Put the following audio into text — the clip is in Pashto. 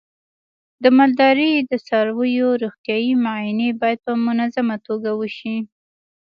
د مالدارۍ د څارویو روغتیايي معاینې باید په منظمه توګه وشي.